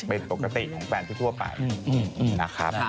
เป็นปกติของแฟนทั่วไปนะครับ